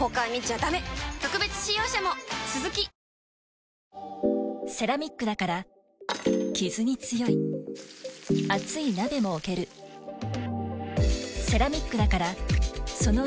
ニトリセラミックだからキズに強い熱い鍋も置けるセラミックだからその美しさずっと